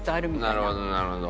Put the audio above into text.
なるほどなるほど。